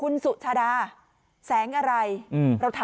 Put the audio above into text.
หญิงบอกว่าจะเป็นพี่ปวกหญิงบอกว่าจะเป็นพี่ปวก